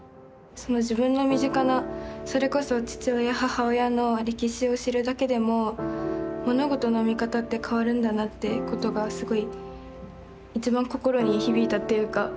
自分の身近なそれこそ父親母親の歴史を知るだけでも物事の見方って変わるんだなってことがすごい一番心に響いたというか。